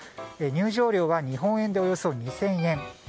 入場料は日本円でおよそ２０００円。